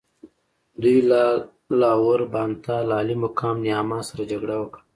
دوی له لاور بانتا له عالي مقام نیاما سره جګړه وکړه.